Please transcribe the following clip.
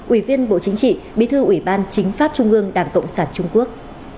ủy viên bộ chính trị bí thư ủy ban chính pháp trung ương đảng cộng sản trung quốc